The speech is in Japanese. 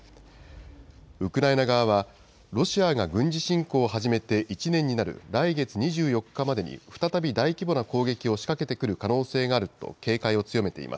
ウクライナ側は、ロシアが軍事侵攻を始めて１年になる来月２４日までに、再び大規模な攻撃を仕掛けてくる可能性があると警戒を強めていま